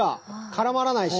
絡まらないし。